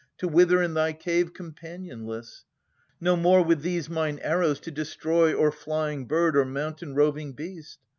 To wither in thy cave companionless : No more with these mine arrows to destroy Or flying bird or mountain roving beast.